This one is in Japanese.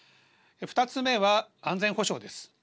２つ目は安全保障です。